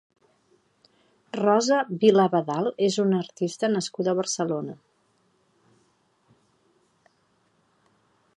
Rosa Vila-Abadal és una artista nascuda a Barcelona.